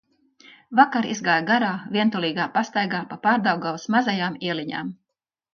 Vakar izgāju garā, vientulīgā pastaigā pa Pārdaugavas mazajām ieliņām.